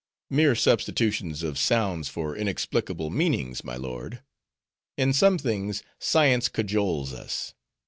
"Mere substitutions of sounds for inexplicable meanings, my lord. In some things science cajoles us.